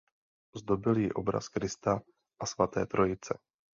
Zdobil ji obraz Krista a svaté Trojice.